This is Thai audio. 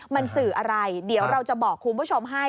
มันสื่ออะไรเดี๋ยวเราจะบอกคุณผู้ชมให้